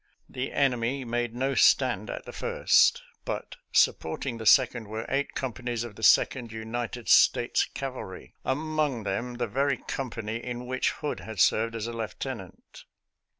The enemy made no stand at the first, but supporting the second were eight com panies of the Second United States Cavalry — among them the very company in which Hood had served as a lieutenant.